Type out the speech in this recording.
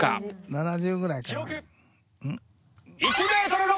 ７０ぐらいかな？